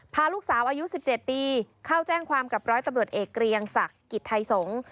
พาลูกสาวอายุ๑๗ปีเข้าแจ้งความกับร้อยตำรวจเอกเกรียงศักดิ์กิจไทยสงฆ์